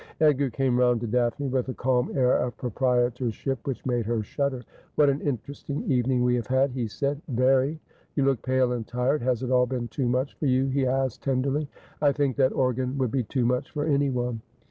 Edgar came round to Daphne with a calm air of proprietor ship which made her shudder. ' What an interesting evening we have had !' be said. ' Very.' ' You look pale and tired. Has it all been too much for you ?' he asked tenderly. ' I think that organ would be too much for anyone.'